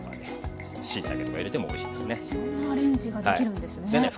いろんなアレンジができるんですね。